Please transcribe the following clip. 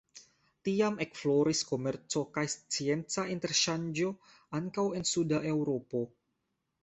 Tiam ekfloris komerco kaj scienca interŝanĝo, ankaŭ en suda Eŭropo.